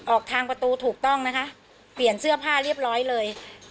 ออกทางประตูถูกต้องนะคะเปลี่ยนเสื้อผ้าเรียบร้อยเลย